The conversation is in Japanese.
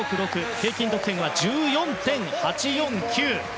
平均得点は１４．８４９。